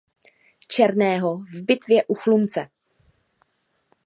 Černého v bitvě u Chlumce.